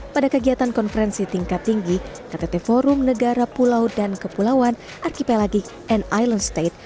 pada kegiatan konferensi tingkat tinggi ktt forum negara pulau dan kepulauan archipelagic and island state